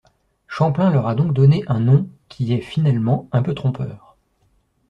Champlain leur a donc donné un nom qui est, finalement, un peu trompeur.